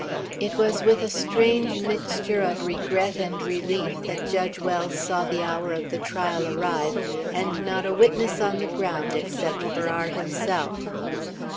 It was with a strange mixture of regret and relief that Judge Wells saw the hour of the trial arrive, and not a witness on the ground except Farrar himself.